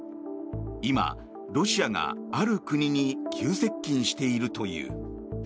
今、ロシアがある国に急接近しているという。